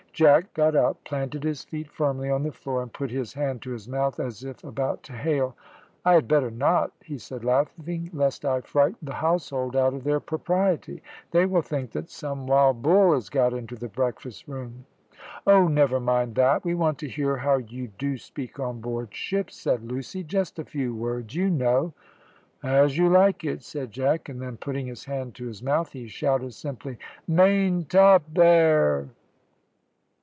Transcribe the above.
Jack got up, planted his feet firmly on the floor, and put his hand to his mouth as if about to hail. "I had better not," he said, laughing, "lest I frighten the household out of their propriety. They will think that some wild bull has got into the breakfast room." "Oh, never mind that; we want to hear how you do speak on board ship," said Lucy; "just a few words, you know." "As you like it," said Jack, and then, putting his hand to his mouth, he shouted simply, "Maintop there!"